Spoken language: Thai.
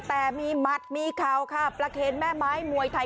แต่มีมัดมีเข่าประเทศแม่ม้ายมวยไทย